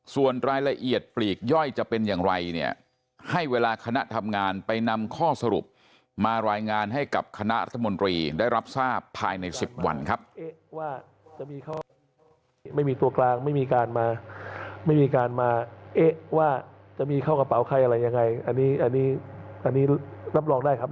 ส่วนรายละเอียดปลีกย่อยจะเป็นอย่างไรเนี่ยให้เวลาคณะทำงานไปนำข้อสรุปมารายงานให้กับคณะรัฐมนตรีได้รับทราบภายใน๑๐วันครับ